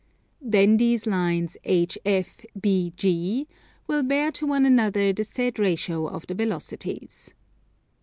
Then these lines HF, BG, will bear to one another the said ratio of the velocities.